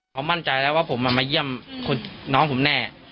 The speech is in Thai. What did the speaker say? เขามั่นใจแล้วว่าผมมาเยี่ยมน้องผมแน่